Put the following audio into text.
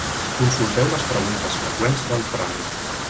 Consulteu les preguntes freqüents del tràmit.